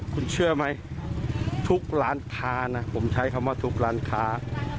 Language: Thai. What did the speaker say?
คุณเชื่อไหมทุกร้านค้านะผมใช้คำว่าทุกร้านค้า